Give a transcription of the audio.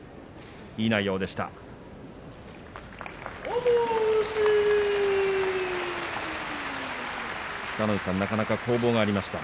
いい内容でした。